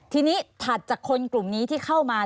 ทีนี้ถัดจากคนกลุ่มนี้ที่เข้ามา